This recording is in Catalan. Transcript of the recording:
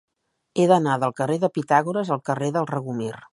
He d'anar del carrer de Pitàgores al carrer del Regomir.